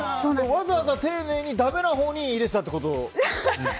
わざわざ丁寧にだめなほうに入れてたってこと？